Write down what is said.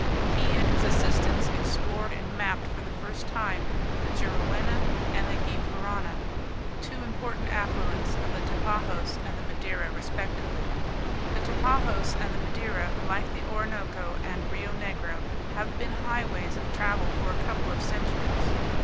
He and his assistants explored, and mapped for the first time, the Juruena and the Gy Parana, two important affluents of the Tapajos and the Madeira respectively. The Tapajos and the Madeira, like the Orinoco and Rio Negro, have been highways of travel for a couple of centuries.